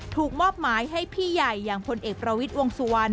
มอบหมายให้พี่ใหญ่อย่างพลเอกประวิทย์วงสุวรรณ